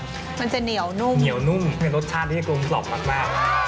มันจะเหนียวนุ่มคือรสชาติที่กลมสอบมาก